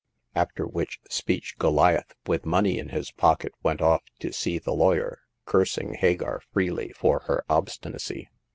After which speech Goliath, with money in his pocket, went off to see the lawyer, cursing Ha gar freely for her obstinacy.